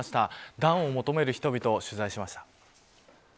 暖を求める人々を取材しました。